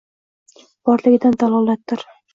borligidan dalolatdir.